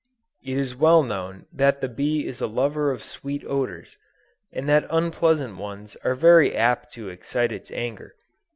It is well known that the bee is a lover of sweet odors, and that unpleasant ones are very apt to excite its anger.